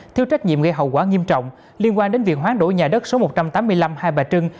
thiếu trách nhiệm gây hậu quả nghiêm trọng liên quan đến việc hoán đổi nhà đất số một trăm tám mươi năm hai bà trưng